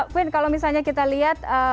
quin kalau misalnya kita lihat